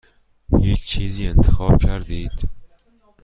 هیچ چیزی انتخاب کردید؟